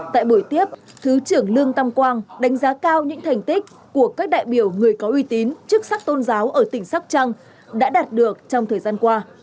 tại buổi tiếp thứ trưởng lương tam quang đánh giá cao những thành tích của các đại biểu người có uy tín chức sắc tôn giáo ở tỉnh sóc trăng đã đạt được trong thời gian qua